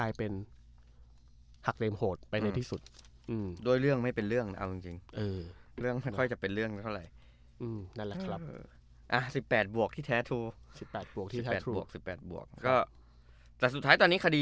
อัพเบิน่าทธรรมไม่เคลียร์ในการปล่อยกับบีชาติ